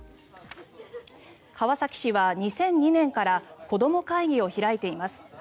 川崎市は２００２年から子ども会議を開いています。